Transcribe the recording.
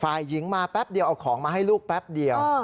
ฝ่ายหญิงมาแป๊บเดียวเอาของมาให้ลูกแป๊บเดียว